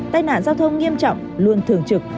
tài nạn giao thông nghiêm trọng luôn thường trực